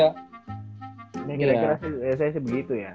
ya kira kira saya sih begitu ya